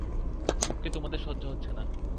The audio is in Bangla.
ওকে তোমাদের সহ্য হচ্ছে না।